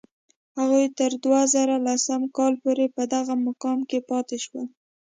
هغوی تر دوه زره لسم کال پورې په دغه مقام کې پاتې شول.